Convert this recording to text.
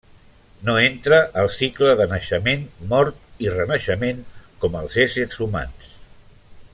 No entra al cicle de naixement, mort i renaixement, com els éssers humans.